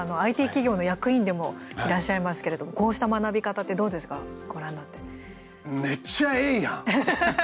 ＩＴ企業の役員でもいらっしゃいますけれどもこうした学び方ってどうですかめっちゃええやん！